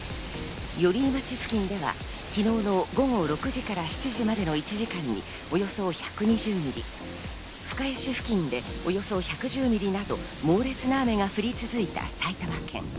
寄居町付近では昨日の午後６時から７時までの１時間におよそ１２０ミリ、深谷市付近でおよそ１１０ミリなど、猛烈な雨が降り続いた埼玉県。